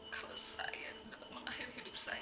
kalau saya dapat mengakhiri hidup saya